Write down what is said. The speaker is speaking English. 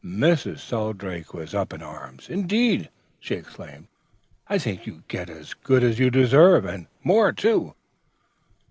"Mrs. Shelldrake was up in arms. "'Indeed,' she exclaimed, I think you get as good as you deserve, and more, too.'